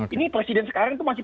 ini presiden sekarang itu masih